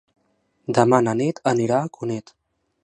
Demà na Nit anirà a Cunit.